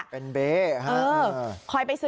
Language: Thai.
ร้านของรัก